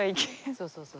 そうそうそう。